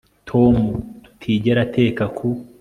Tom tutigera ateka ku